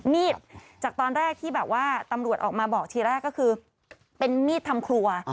มีดจากตอนแรกที่แบบว่าตำรวจออกมาบอกทีแรกก็คือเป็นมีดทำครัว